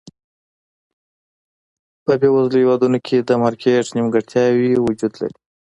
په بېوزلو هېوادونو کې د مارکېټ نیمګړتیاوې وجود لري.